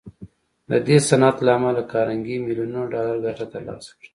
د دې صنعت له امله کارنګي ميليونونه ډالر ګټه تر لاسه کړه.